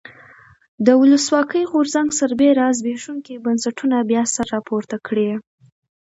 د ولسواکۍ غورځنګ سربېره زبېښونکي بنسټونه بیا سر راپورته کړي.